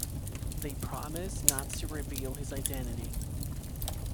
They promise not to reveal his identity.